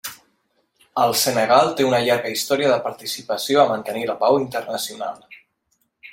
El Senegal té una llarga història de participació a mantenir la pau internacional.